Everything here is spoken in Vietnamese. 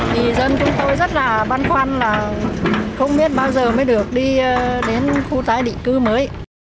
vì dân chúng tôi rất là băn khoăn là không biết bao giờ mới được đi đến khu tái định cư mới